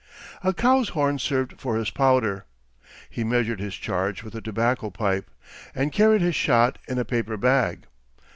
A cow's horn served for his powder; he measured his charge with a tobacco pipe, and carried his shot in a paper bag.